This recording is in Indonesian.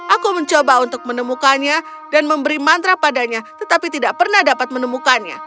aku mencoba untuk menemukannya dan memberi mantra padanya tetapi tidak pernah dapat menemukannya